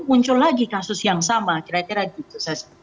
muncul lagi kasus yang sama kira kira gitu